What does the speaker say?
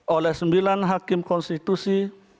oleh sembilan hakim konstitusi